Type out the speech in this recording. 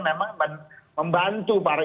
memang membantu para